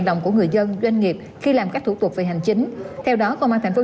đồng của người dân doanh nghiệp khi làm các thủ tục về hành chính theo đó công an thành phố